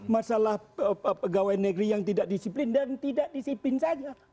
masalah pegawai negeri yang tidak disiplin dan tidak disiplin saja